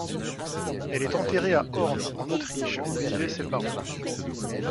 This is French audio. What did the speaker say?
Elle est enterrée à Horn en Autriche où vivaient ses parents.